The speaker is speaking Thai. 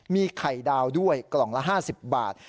มีไข่ดาวด้วยกล่องละ๕๐บาท